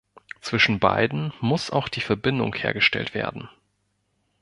Zwischen beiden muss auch die Verbindung hergestellt werden.